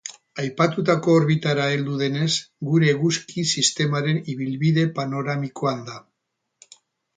Aipatutako orbitara heldu denez, gure eguzki-sistemaren ibilbide panoramikoan da.